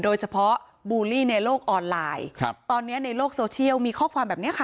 โดยเฉพาะบูลลี่ในโลกออนไลน์ครับตอนนี้ในโลกโซเชียลมีข้อความแบบเนี้ยค่ะ